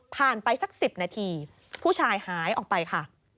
ไปสัก๑๐นาทีผู้ชายหายออกไปค่ะ